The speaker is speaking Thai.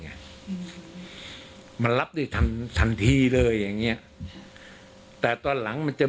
อืมมันรับได้ทันทันทีเลยอย่างเงี้ยแต่ตอนหลังมันจะ